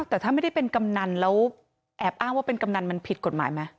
แต่ถ้าไม่ได้เป็นกำนันแล้วแอบอ้างว่าเป็นกำนันมันผิดกฎหมายไหม